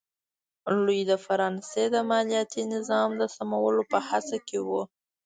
لويي د فرانسې د مالیاتي نظام د سمولو په هڅه کې و.